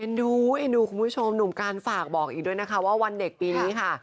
ดูเอ็นดูคุณผู้ชมหนุ่มการฝากบอกอีกด้วยนะคะว่าวันเด็กปีนี้ค่ะ